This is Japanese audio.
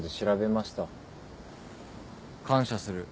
「感謝する。